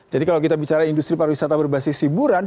jadi kalau kita bicara industri pariwisata berbasis hiburan